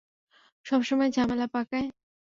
সবসময় ঝামেলা পাকায়।